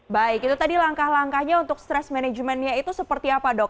baik itu tadi langkah langkahnya untuk stress managementnya itu seperti apa dok